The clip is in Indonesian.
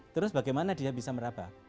terus bagaimana dia bisa merabah